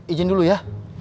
ijin dulu ya